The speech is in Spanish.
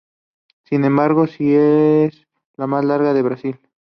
Sin embargo, sí es la más larga de Brasil.